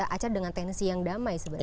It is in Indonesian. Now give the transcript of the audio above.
aca dengan tensi yang damai sebenarnya